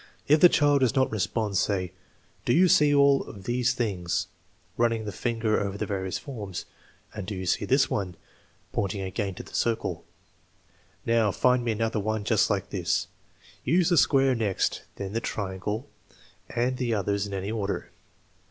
If the child does not respond, say: " Do you see all of these things? 9 ' (running the finger over the various forms); "And do you see this one ?" (pointing again to the circle); "Now, find me another one just like this" Use the square next, then the triangle, and the others in any order.